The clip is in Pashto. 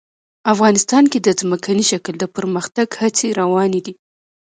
افغانستان کې د ځمکنی شکل د پرمختګ هڅې روانې دي.